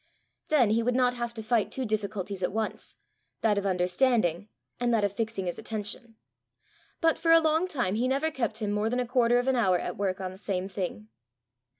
then he would not have to fight two difficulties at once that of understanding, and that of fixing his attention. But for a long time he never kept him more than a quarter of an hour at work on the same thing.